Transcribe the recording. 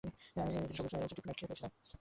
আমি কিছু সবুজ ক্রিপ্টোনাইট খেয়ে ফেলেছিলাম।